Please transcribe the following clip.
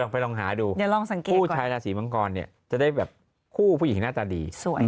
ไปลองหาดูผู้ชายราศีมังกรเนี่ยจะได้แบบคู่ผู้หญิงหน้าตาดี